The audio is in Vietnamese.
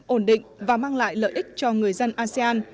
ổn định và mang lại lợi ích cho người dân asean